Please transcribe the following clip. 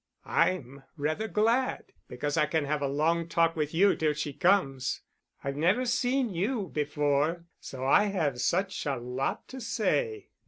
"I'm rather glad, because I can have a long talk with you till she comes. I've never seen you before, so I have such a lot to say."